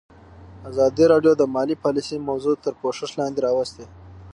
ازادي راډیو د مالي پالیسي موضوع تر پوښښ لاندې راوستې.